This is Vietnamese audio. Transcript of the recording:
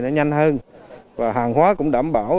nó nhanh hơn và hàng hóa cũng đảm bảo